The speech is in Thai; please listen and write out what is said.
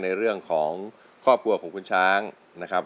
ในเรื่องของครอบครัวของคุณช้างนะครับ